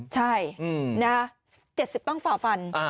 ใช่เมื่อ๗๐ปั้งฝาฟัน